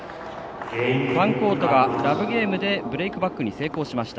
ファンコートがラブゲームでブレークバックに成功。